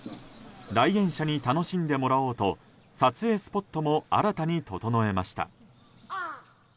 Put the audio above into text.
来園者に楽しんでもらおうと撮影スポットも新たに整えました。